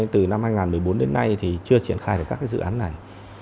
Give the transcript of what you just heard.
từ năm hai nghìn một mươi bốn đến nay thì chưa triển khai được các dự án này